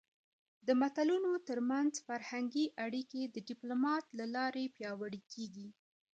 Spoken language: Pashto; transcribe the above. د ملتونو ترمنځ فرهنګي اړیکې د ډيپلومات له لارې پیاوړې کېږي.